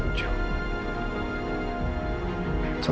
banyak yang tidak setuju